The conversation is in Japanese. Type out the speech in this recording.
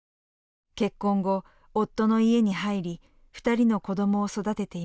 結婚後夫の家に入り２人の子供を育てていました。